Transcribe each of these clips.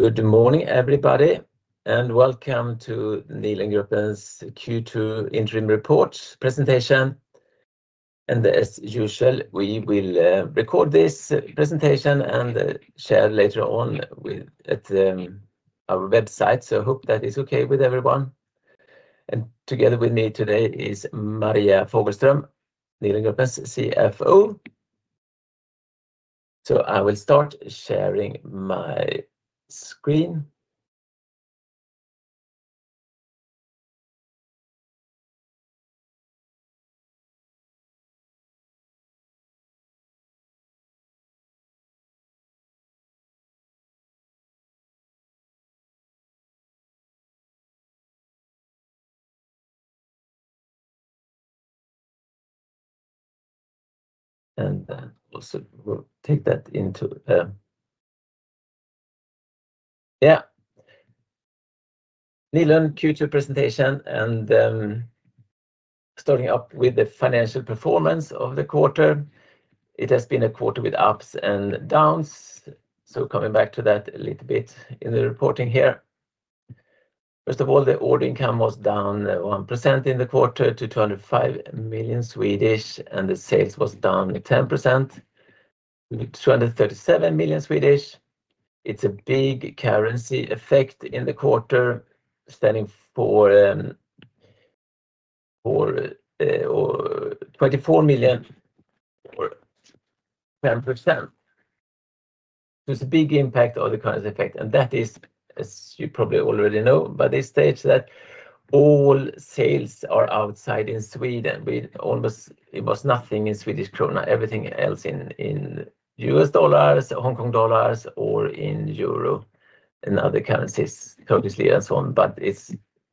Good morning, everybody, and welcome to Nilörngruppen's Q2 Interim Report presentation. As usual, we will record this presentation and share it later on at our website, so I hope that is okay with everyone. Together with me today is Maria Fogelström, Nilörngruppen's CFO. I will start sharing my screen. Nilörngruppen's Q2 presentation, and starting up with the financial performance of the quarter, it has been a quarter with ups and downs, coming back to that a little bit in the reporting here. First of all, the order income was down 1% in the quarter to 205 million, and the sales was down 10% to 237 million. There is a big currency effect in the quarter, standing for SEK 24 million. There is a big impact of the currency effect, and that is, as you probably already know by this stage, that all sales are outside Sweden. It was nothing in Swedish krona, everything else in U.S. dollars, Hong Kong dollars, or in euro, and other currencies, Turkish lira and so on.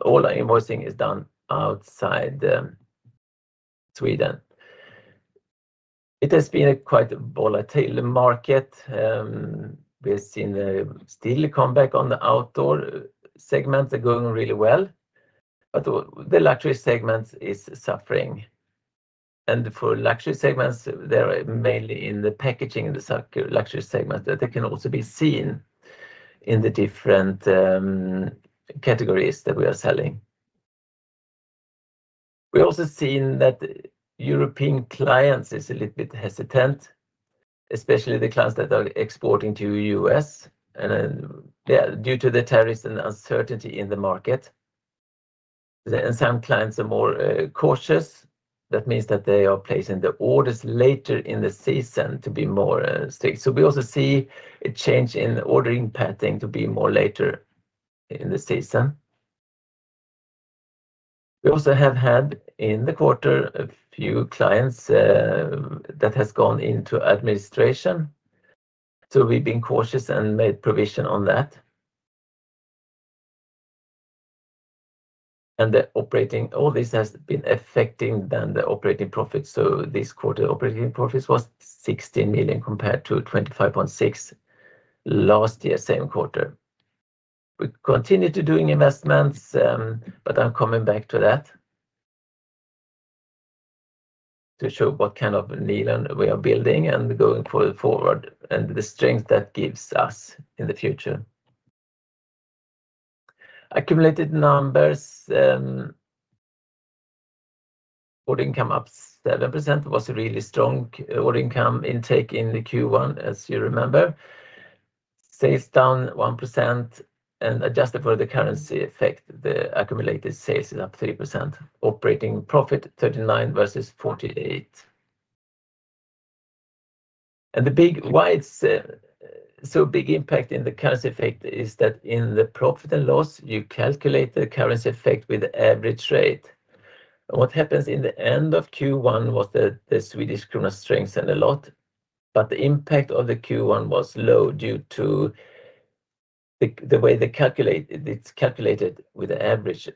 All our invoicing is done outside Sweden. It has been a quite volatile market. We have seen a steady comeback on the outdoor segments. They're going really well, but the luxury segment is suffering. For luxury segments, they're mainly in the packaging in the luxury segment, but they can also be seen in the different categories that we are selling. We've also seen that European clients are a little bit hesitant, especially the clients that are exporting to the U.S., and due to the tariffs and uncertainty in the market, some clients are more cautious. That means that they are placing the orders later in the season to be more strict. We also see a change in ordering pattern to be more later in the season. We have had in the quarter a few clients that have gone into administration, so we've been cautious and made provision on that. All this has been affecting the operating profits. This quarter's operating profits was 16 million compared to 25.6 million last year, same quarter. We continue to do investments, but I'm coming back to that to show what kind of Nilörngruppen we are building and going forward and the strength that gives us in the future. Accumulated numbers, order income ups that represent was a really strong order income intake in the Q1, as you remember. Sales down 1%, and adjusted for the currency effect, the accumulated sales is up 3%. Operating profit 39 million versus 48 million. The big reason it's such a big impact in the currency effect is that in the profit and loss, you calculate the currency effect with the average rate. What happened at the end of Q1 was that the Swedish krona strengthened a lot, but the impact on Q1 was low due to the way it's calculated with the average.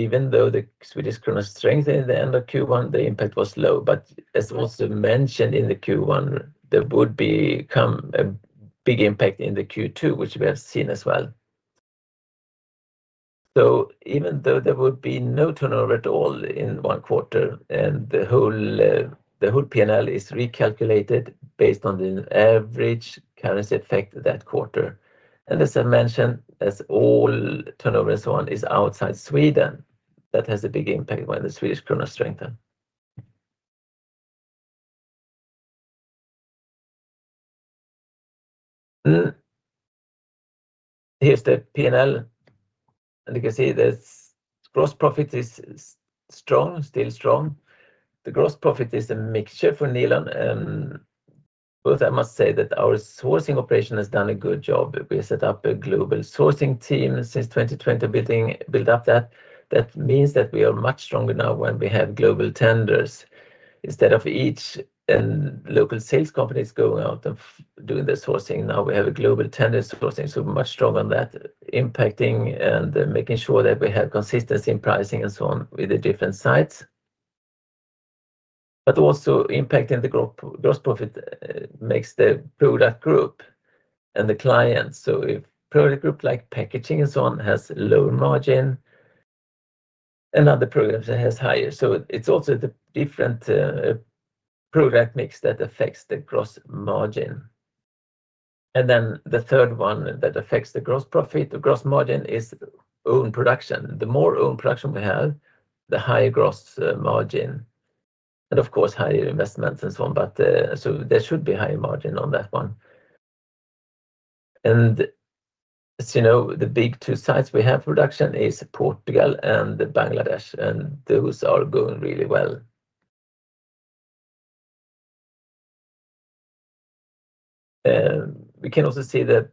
Even though the Swedish krona strengthened at the end of Q1, the impact was low. As was mentioned in Q1, there would be a big impact in Q2, which we have seen as well. Even if there would be no turnover at all in one quarter, the whole P&L is recalculated based on the average currency effect that quarter. As I mentioned, as all turnover and so on is outside Sweden, that has a big impact when the Swedish krona strengthens. If you look at the P&L, you can see that gross profit is still strong. The gross profit is a mixture for Nilörngruppen. First, I must say that our sourcing operation has done a good job. We set up a global sourcing team since 2020, building up that. That means we are much stronger now when we have global tenders. Instead of each local sales company going out and doing the sourcing, now we have a global tender, so much stronger than that, impacting and making sure that we have consistency in pricing and so on with the different sites. Also impacting the gross profit is the product group and the clients. If a product group like packaging and so on has lower margin, another product has higher. It's also the different product mix that affects the gross margin. The third one that affects the gross profit, the gross margin, is own production. The more own production we have, the higher gross margin. Of course, higher investments and so on, but there should be higher margin on that one. As you know, the big two sites where we have production are Portugal and Bangladesh, and those are going really well. We can also see that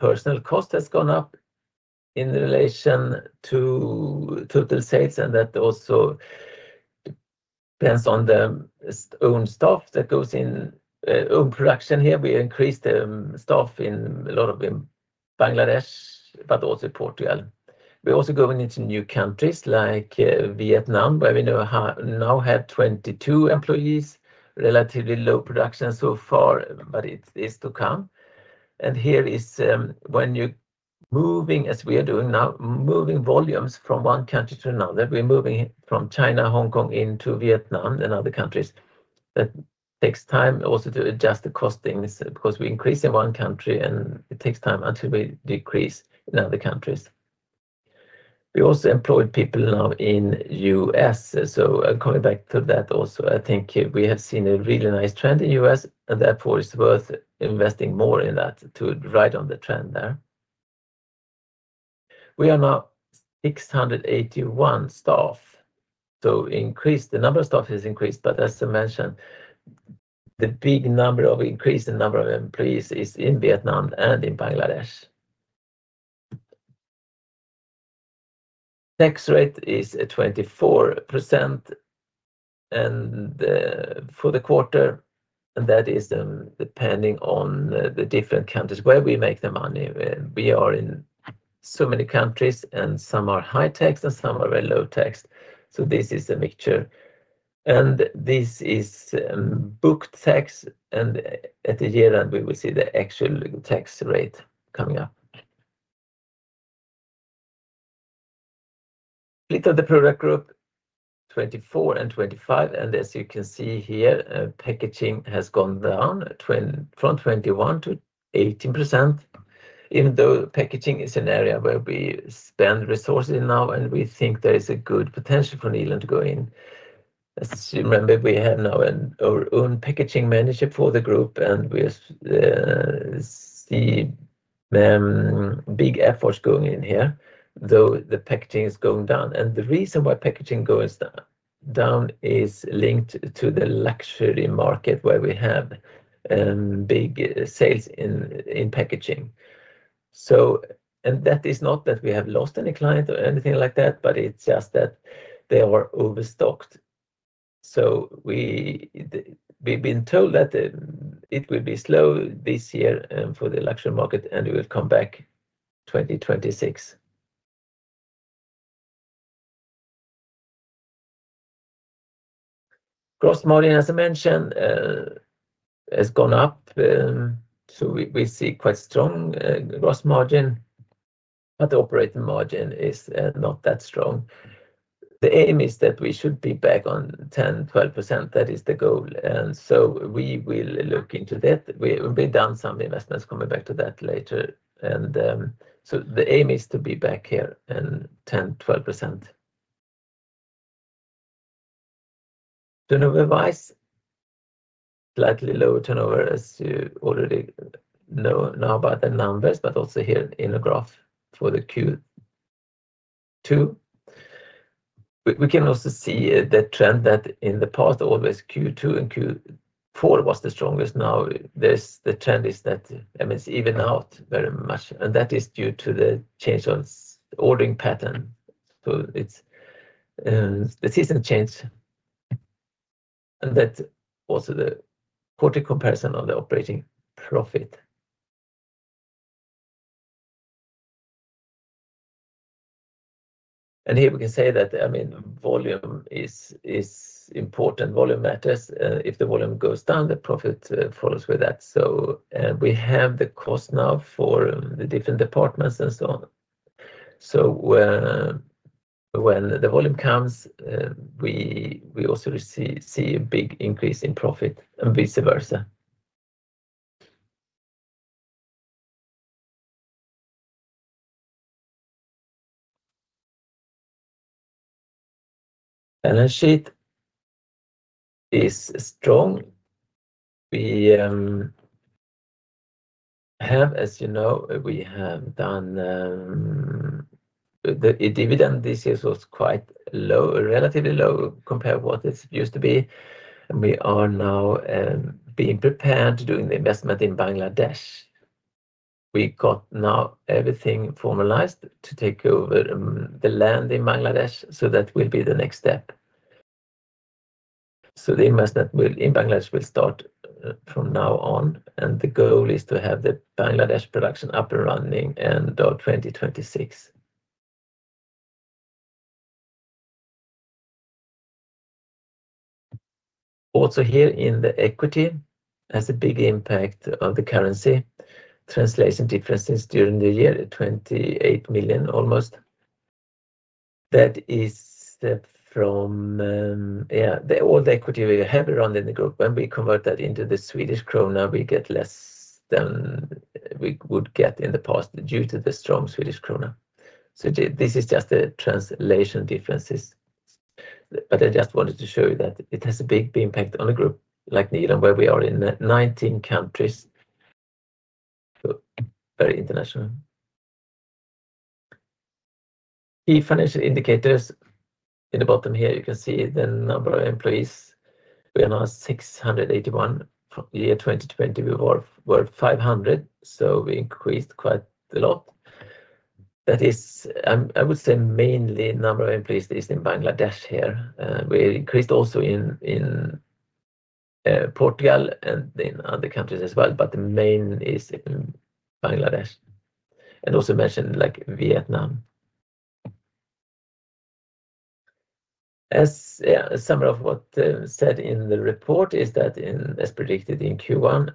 personnel cost has gone up in relation to total sales, and that also depends on the own staff that goes in own production here. We increased the staff a lot in Bangladesh, but also Portugal. We're also going into new countries like Vietnam, where we now have 22 employees, relatively low production so far, but it is to come. Here is when you're moving, as we are doing now, moving volumes from one country to another. We're moving from China, Hong Kong, into Vietnam, and other countries. That takes time also to adjust the costings because we increase in one country, and it takes time until we decrease in other countries. We also employ people now in the U.S., so I'm coming back to that also. I think we have seen a really nice trend in the U.S., and therefore it's worth investing more in that to ride on the trend there. We are now 681 staff, so increased. The number of staff has increased, but as I mentioned, the big number of increase in the number of employees is in Vietnam and in Bangladesh. Tax rate is at 24% for the quarter, and that is depending on the different countries where we make the money. We are in so many countries, and some are high tax and some are very low tax. This is the mixture. This is booked tax, and at the year end, we will see the actual tax rate coming up. Little of the product group, 24 and 25, and as you can see here, packaging has gone down from 21% to 18%, even though packaging is an area where we spend resources now, and we think there is a good potential for Nilörngruppen to go in. As you remember, we have now an own packaging manager for the group, and we have big efforts going in here, though the packaging is going down. The reason why packaging goes down is linked to the luxury market where we have big sales in packaging. That is not that we have lost any client or anything like that, but it's just that they are overstocked. We've been told that it will be slow this year for the luxury market, and it will come back in 2026. Gross margin, as I mentioned, has gone up, so we see quite strong gross margin, but the operating margin is not that strong. The aim is that we should be back on 10%-12%. That is the goal. We will look into that. We've done some investments, coming back to that later. The aim is to be back here at 10%-12%. Turnover-wise, slightly lower turnover as you already know about the numbers, but also here in the graph for the Q2. We can also see the trend that in the past, always Q2 and Q4 was the strongest. Now the trend is that, I mean, it's even out very much, and that is due to the change of ordering pattern. It's the season change, and that's also the quarter comparison of the operating profit. Here we can say that, I mean, volume is important. Volume matters. If the volume goes down, the profit follows with that. We have the cost now for the different departments and so on. When the volume comes, we also see a big increase in profit and vice versa. Balance sheet is strong. We have, as you know, we have done the dividend this year was quite low, relatively low compared to what it used to be. We are now being prepared to do an investment in Bangladesh. We got now everything formalized to take over the land in Bangladesh, so that will be the next step. The investment in Bangladesh will start from now on, and the goal is to have the Bangladesh production up and running until 2026. Also here in the equity, it has a big impact on the currency. Translation differences during the year, 28 million almost. That is from, yeah, all the equity we have run in the group. When we convert that into the Swedish krona, we get less than we would get in the past due to the strong Swedish krona. This is just the translation differences. I just wanted to show you that it has a big impact on a group like Nilörngruppen, where we are in 19 countries, very international. Key financial indicators in the bottom here, you can see the number of employees. We are now 681. Year 2020, we were 500, so we increased quite a lot. That is, I would say mainly the number of employees is in Bangladesh here. We increased also in Portugal and in other countries as well, but the main is in Bangladesh. Also mentioned like Vietnam. As a summary of what said in the report is that, as predicted in Q1,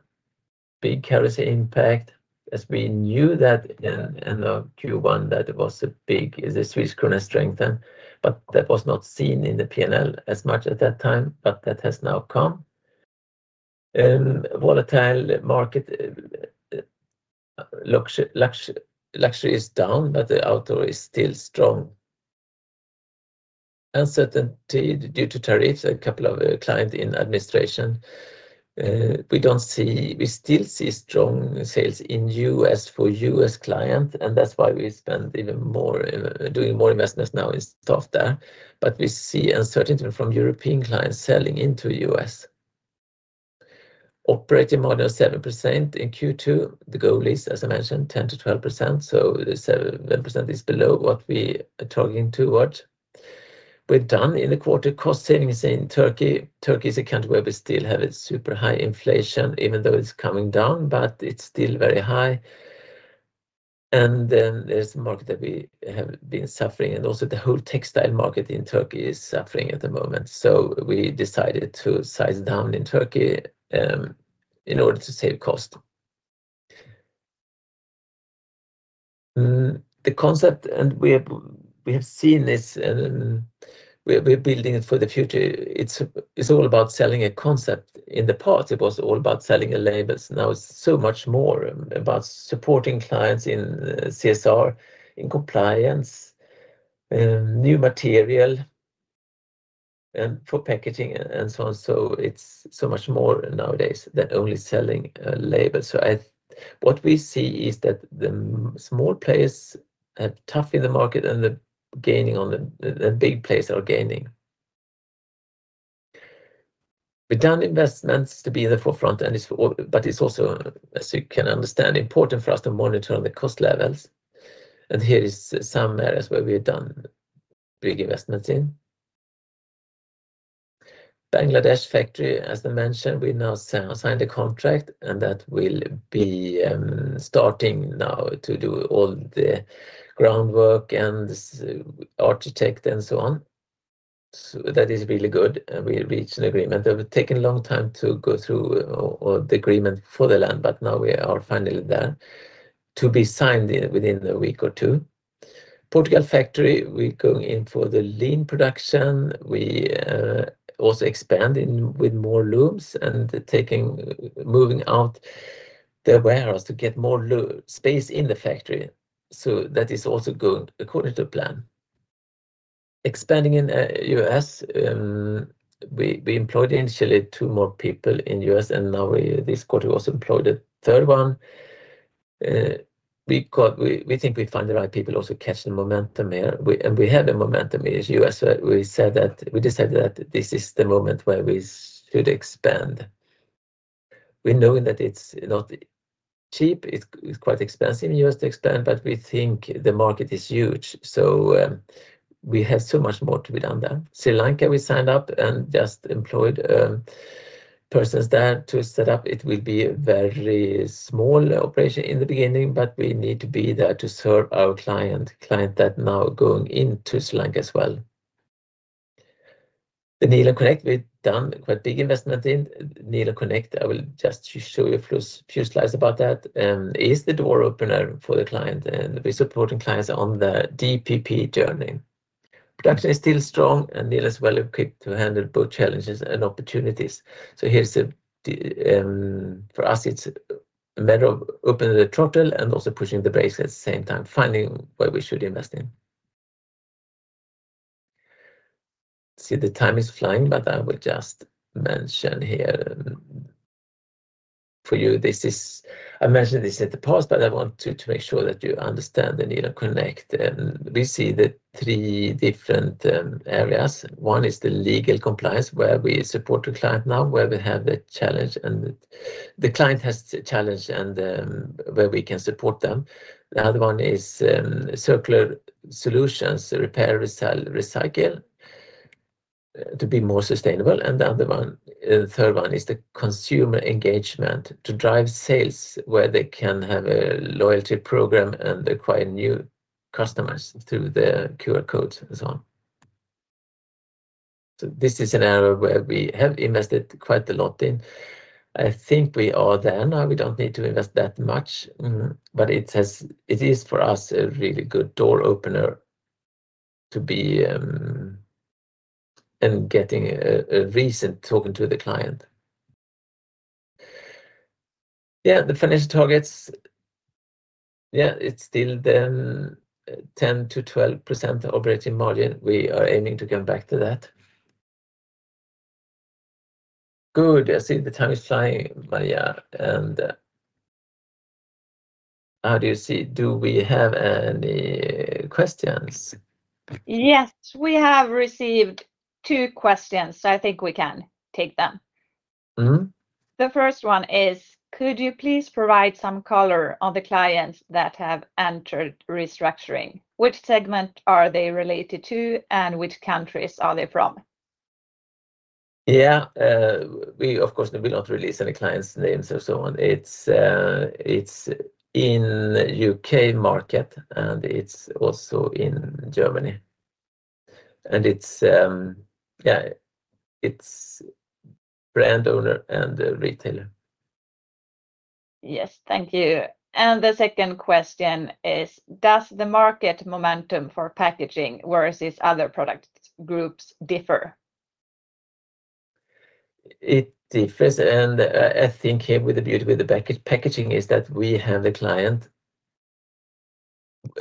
big currency impact. As we knew that in the end of Q1, that was a big Swedish krona strengthen, but that was not seen in the P&L as much at that time, but that has now come. Volatile market, luxury is down, but the outdoor is still strong. Uncertainty due to tariffs, a couple of clients in administration. We still see strong sales in the U.S. for U.S. clients, and that's why we spend even more, doing more investments now in stuff there. We see uncertainty from European clients selling into the U.S. Operating more than 7% in Q2. The goal is, as I mentioned, 10%-12%. The 7% is below what we are targeting towards. We're done in the quarter. Cost savings in Turkey. Turkey is a country where we still have a super high inflation, even though it's coming down, but it's still very high. There's a market that we have been suffering, and also the whole textile market in Turkey is suffering at the moment. We decided to size down in Turkey in order to save cost. The concept, and we have seen this, we're building it for the future. It's all about selling a concept. In the past, it was all about selling a label. Now it's so much more about supporting clients in CSR, in compliance, new material, and for packaging and so on. It's so much more nowadays than only selling a label. What we see is that the small players are tough in the market and the big players are gaining. We've done investments to be in the forefront, but it's also, as you can understand, important for us to monitor the cost levels. Here is somewhere as well we've done big investments in. Bangladesh factory, as I mentioned, we now signed a contract, and that will be starting now to do all the groundwork and the architect and so on. That is really good. We reached an agreement. It would have taken a long time to go through all the agreement for the land, but now we are finally there to be signed within a week or two. Portugal factory, we're going in for the lean production. We are also expanding with more looms and moving out the warehouse to get more space in the factory. That is also going according to plan. Expanding in the U.S., we employed initially two more people in the U.S., and now this quarter we also employed a third one. We think we find the right people also catch the momentum here. We had the momentum in the U.S. We said that we decided that this is the moment where we should expand. We know that it's not cheap. It's quite expensive in the U.S. to expand, but we think the market is huge. We have so much more to be done there. Sri Lanka, we signed up and just employed persons there to set up. It will be a very small operation in the beginning, but we need to be there to serve our clients, clients that are now going into Sri Lanka as well. The Nilörngruppen Connect, we've done quite a big investment in. Nilörngruppen Connect, I will just show you a few slides about that, is the door opener for the client, and we're supporting clients on the DPP journey. Production is still strong, and Nilörngruppen is well equipped to handle both challenges and opportunities. For us, it's a matter of opening the throttle and also pushing the brakes at the same time, finding what we should invest in. The time is flying, but I would just mention here for you, I mentioned this in the past, but I want to make sure that you understand the Nilörngruppen Connect. We see the three different areas. One is the legal compliance, where we support the client now, where we have the challenge, and the client has a challenge, and where we can support them. The other one is circular solutions, repair, resell, recycle, to be more sustainable. The other one, the third one, is the consumer engagement, to drive sales where they can have a loyalty program and acquire new customers through the QR codes and so on. This is an area where we have invested quite a lot in. I think we are there now. We don't need to invest that much, but it is for us a really good door opener to be getting a recent token to the client. Yeah, the financial targets, yeah, it's still the 10%-12% operating margin. We are aiming to come back to that. Good. I see the time is flying, Maria. How do you see, do we have any questions? Yes, we have received two questions. I think we can take them. The first one is, could you please provide some color on the clients that have entered restructuring? Which segment are they related to, and which countries are they from? Of course, we don't release any clients' names and so on. It's in the U.K. market, and it's also in Germany. It's brand owner and retailer. Yes, thank you. The second question is, does the market momentum for packaging versus other product groups differ? It differs. I think here with the beauty with the packaging is that we have the client,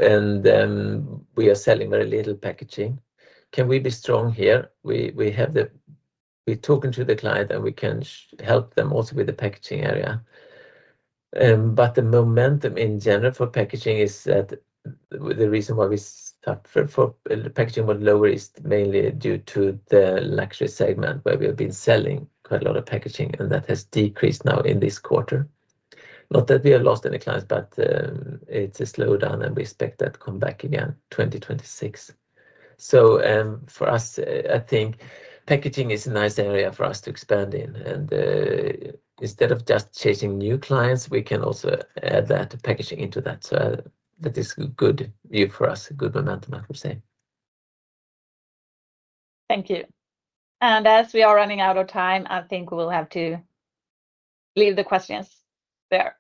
and we are selling very little packaging. Can we be strong here? We have the, we're talking to the client, and we can help them also with the packaging area. The momentum in general for packaging is that the reason why we suffer for packaging was lower is mainly due to the luxury segment where we have been selling quite a lot of packaging, and that has decreased now in this quarter. Not that we are lost in the clients, but it's a slowdown, and we expect that to come back again in 2026. For us, I think packaging is a nice area for us to expand in. Instead of just chasing new clients, we can also add that packaging into that. That is good news for us, a good momentum, I would say. Thank you. As we are running out of time, I think we'll have to leave the questions there.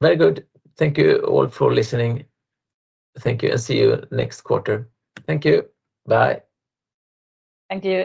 Very good. Thank you all for listening. Thank you, and see you at the next quarter. Thank you. Bye. Thank you.